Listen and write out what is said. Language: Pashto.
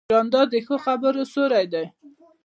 جانداد د ښو خبرو سیوری دی.